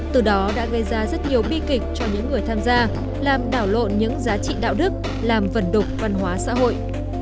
từ đó đã gây ra rất nhiều bi kịch cho những người tham gia làm đảo lộn những giá trị đạo đức làm vẩn đục văn hóa xã hội